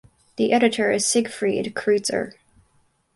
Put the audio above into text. The editor is Siegfried Kreuzer.